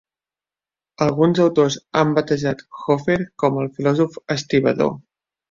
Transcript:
Alguns autors han batejat Hoffer com "el filòsof estibador".